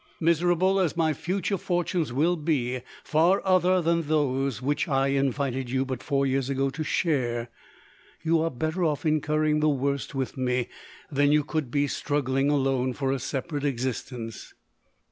Miserable as my future fortunes will be, far other than those which I invited you but four years ago to share, you are better off incurring the worst with me, than you could be, struggling alone for a separate ex istence."